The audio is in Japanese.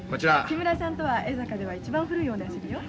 木村さんとは江坂では一番古いおなじみよ。